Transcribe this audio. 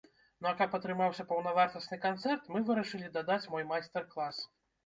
Ну, а каб атрымаўся паўнавартасны канцэрт, мы вырашылі дадаць мой майстар-клас.